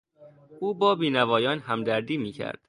او با بینوایان همدردی میکرد.